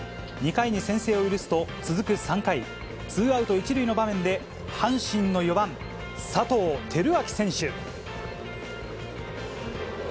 ２回に先制を許すと、続く３回、ツーアウト１塁の場面で、阪神の４番佐藤輝明選手。